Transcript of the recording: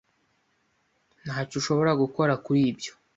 Ntacyo ushobora gukora kuri ibyo.